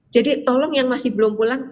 jadi tolong yang masih belum pulang